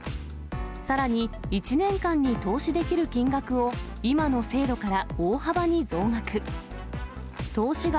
さらに、１年間に投資できる金額を、今の制度から大幅に増額。